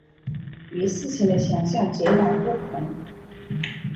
与事前的想像截然不同